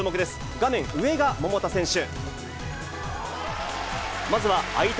画面上が桃田選手。